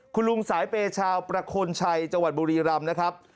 คุณลุงสายเปชาประโคนชัยจบุรีรำนะครับ